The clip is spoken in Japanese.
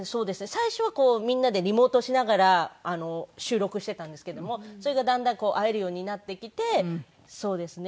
最初はみんなでリモートしながら収録してたんですけどもそれがだんだん会えるようになってきてそうですね。